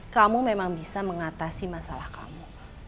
kamu memang bisa mengatasi masalah kamu